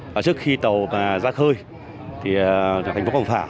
trước khi tàu ra khơi thành phố vòng phả